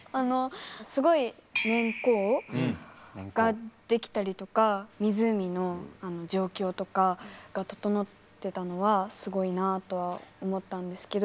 すごい年縞ができたりとか湖の状況とかが整ってたのはすごいなとは思ったんですけど